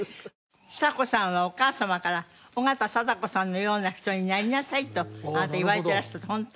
ちさ子さんはお母様から緒方貞子さんのような人になりなさいとあなた言われてらしたって本当？